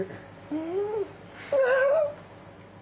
うんうわっ。